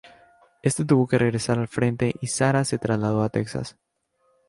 Este tuvo que regresar al frente y Sarah se trasladó a Texas.